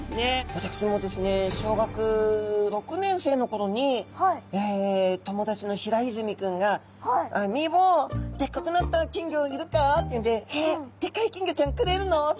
私もですね小学６年生の頃に友達の平泉君が「みいぼうでっかくなった金魚いるか」っていうんで「えっでっかい金魚ちゃんくれるの」って。